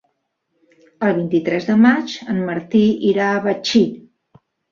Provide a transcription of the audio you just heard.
El vint-i-tres de maig en Martí irà a Betxí.